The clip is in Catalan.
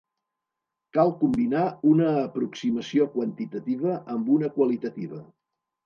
Cal combinar una aproximació quantitativa amb una qualitativa.